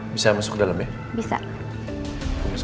bisa masuk ke dalam ya